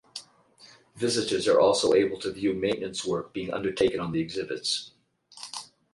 Visitors are also able to view maintenance work being undertaken on the exhibits.